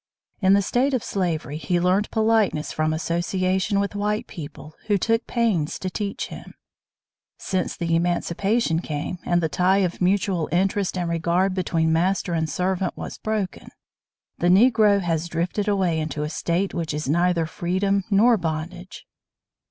In the state of slavery he learned politeness from association with white people, who took pains to teach him. Since the emancipation came and the tie of mutual interest and regard between master and servant was broken, the Negro has drifted away into a state which is neither freedom nor bondage.